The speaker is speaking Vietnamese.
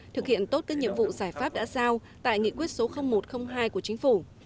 thực hiện tốt các nhiệm vụ giải pháp đã giao tại nghị quyết số một trăm linh hai của chính phủ